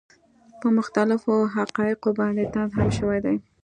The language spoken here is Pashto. پۀ مختلفو حقائقو باندې طنز هم شوے دے،